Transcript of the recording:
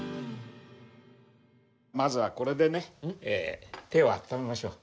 まずはこれでね手をあっためましょう。